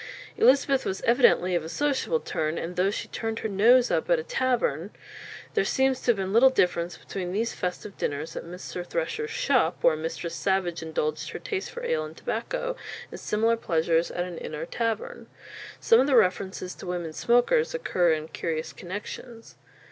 Elizabeth was evidently of a sociable turn, and though she turned her nose up at a tavern, there seems to have been little difference between these festive dinners at Mr. Thresher's "shopp," where Mistress Savage indulged her taste for ale and tobacco, and similar pleasures at an inn or tavern. Some of the references to women smokers occur in curious connexions.